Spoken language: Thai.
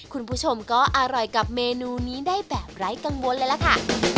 คุณผู้ชมก็อร่อยกับเมนูนี้ได้แบบไร้กังวลเลยล่ะค่ะ